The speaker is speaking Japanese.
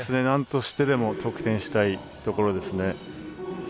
なんとしてでも得点したいところですね。